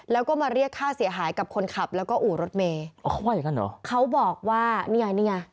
แล้วก็มาเรียกค่าเสียหายกับคนขับแล้วก็อู่รถเมย์